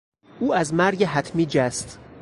او از مرگ حتمی جست.